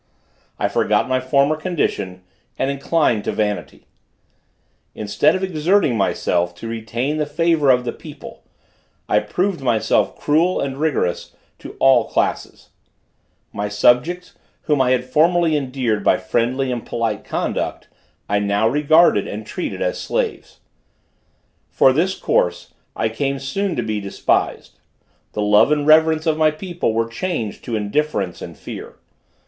I forgot my former condition, and inclined to vanity. Instead of exerting myself to retain the favor of the people, I proved myself cruel and rigorous to all classes. My subjects, whom I had formerly endeared by friendly and polite conduct, I now regarded and treated as slaves. For this course, I came soon to be despised; the love and reverence of my people were changed to indifference and fear.